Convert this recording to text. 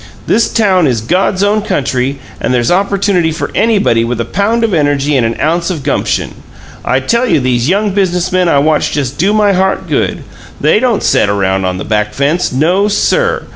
This town is God's own country, and there's opportunity for anybody with a pound of energy and an ounce o' gumption. I tell you these young business men I watch just do my heart good! THEY don't set around on the back fence no, sir!